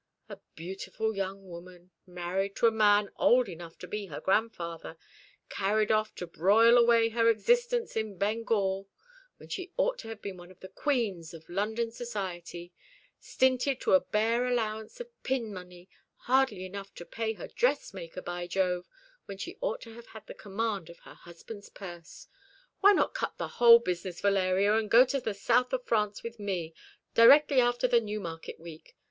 "A beautiful young woman married to a man old enough to be her grandfather, carried off to broil away her existence in Bengal, when she ought to have been one of the queens of London society stinted to a bare allowance of pin money, hardly enough to pay her dressmaker, by Jove, when she ought to have had the command of her husband's purse. Why not cut the whole business, Valeria, and go to the south of France with me, directly after the Newmarket week?